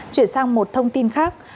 chuyển sang một thông tin khác